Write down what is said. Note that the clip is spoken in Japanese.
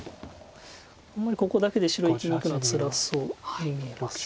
あんまりここだけで白生きにいくのはつらそうに見えます。